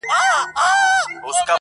په لېمو کي راته وایي زما پوښتلي جوابونه.